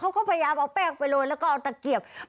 เขาก็พยายามเอาแป้งไปลงแล้วก็เอาตัวเกี่ยวกัน